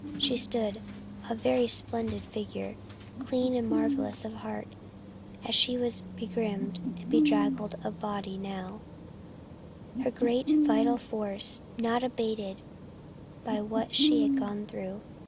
She stood, a very splendid figure, clean and marvelous of heart as she was begrimed and bedraggled of body now, her great vital force not abated by what she had gone through.